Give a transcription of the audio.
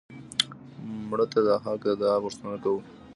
مړه ته د حق د دعا غوښتنه کوو